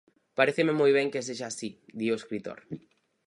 Paréceme moi ben que sexa así, di o escritor.